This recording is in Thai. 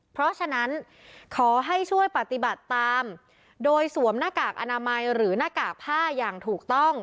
เพราะฉะนั้นขอให้ช่วยปฏิบัติตามโดยสวมหน้ากากอนามัยหรือหน้ากากผ้าอย่างถูกต้อง